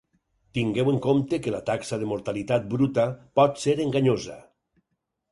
Tingueu en compte que la taxa de mortalitat bruta pot ser enganyosa.